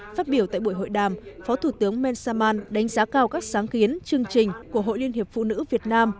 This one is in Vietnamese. phát biểu tại buổi hội đàm phó thủ tướng mensaman đánh giá cao các sáng kiến chương trình của hội liên hiệp phụ nữ việt nam